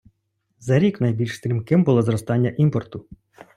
за рік найбільш стрімким було зростання імпорту